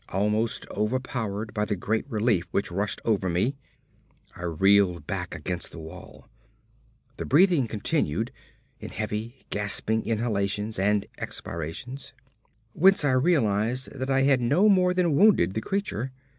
Almost overpowered by the great relief which rushed over me, I reeled back against the wall. The breathing continued, in heavy, gasping inhalations and expirations, whence I realised that I had no more than wounded the creature.